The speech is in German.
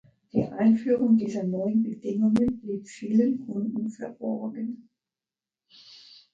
Die Einführung dieser neuen Bedingungen blieb vielen Kunden verborgen.